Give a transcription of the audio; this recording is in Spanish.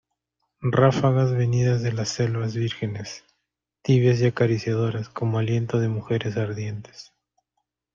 ráfagas venidas de las selvas vírgenes, tibias y acariciadoras como aliento de mujeres ardientes